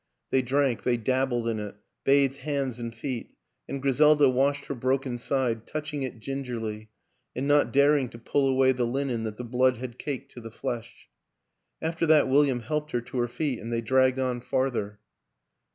They drank, they dabbled in it, bathed hands and feet, and Griselda washed her broken side touching it gingerly and not daring to pull away the linen that the blood had caked to the flesh. After that William helped her to her feet and they dragged on farther.